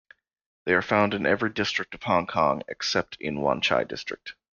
They are found in every district of Hong Kong except in Wan Chai District.